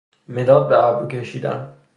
مداد به ابرو کشیدن